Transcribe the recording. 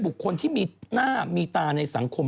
คนที่มีหน้ามีตาในสังคม